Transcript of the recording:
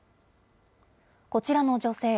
こちらの女性。